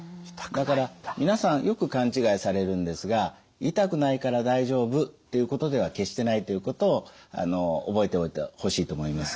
だから皆さんよく勘違いされるんですが「痛くないから大丈夫」っていうことでは決してないということを覚えておいてほしいと思います。